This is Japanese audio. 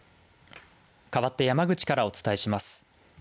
かわって山口からお伝えします。